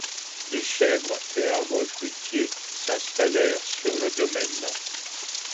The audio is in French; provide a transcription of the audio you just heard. Des chèvres et arbres fruitiers s'installèrent sur le domaine.